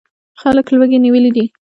خلک لوږې نیولي دي.